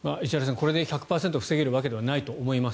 これで１００％防げるわけではないと思います。